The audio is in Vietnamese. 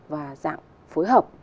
và dạng phối hợp